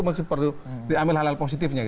mesti perlu diambil halal positifnya